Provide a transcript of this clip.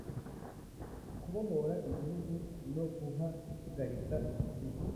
kubohora igihugu no guhagarika Jenoside